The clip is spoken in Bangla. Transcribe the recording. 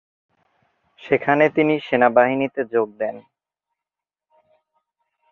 সেখানে তিনি সেনাবাহিনীতে যোগ দেন।